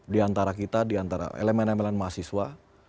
diantara kita diantara elemen elemen mahasiswa